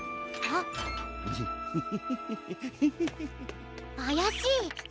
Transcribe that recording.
あやしい！